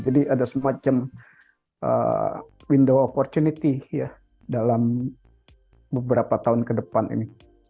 jadi ada semacam window opportunity ya dalam beberapa tahun ke depan ini